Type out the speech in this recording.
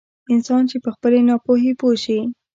انسان چې په خپلې ناپوهي پوه شي.